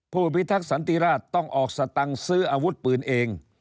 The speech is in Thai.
ผู้พิทักษันติราชต้องออกสตังค์ซื้ออาวุธปืนเอง